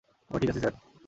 আমি ঠিক আছি স্যার।